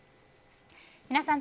皆さん